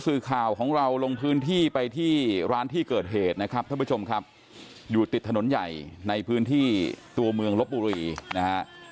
สื่อข่าวของเราลงพื้นที่ไปที่ร้านที่เกิดเหตุนะครับท่านผู้ชมครับอยู่ติดถนนใหญ่ในพื้นที่ตัวเมืองลบบุรีนะฮะ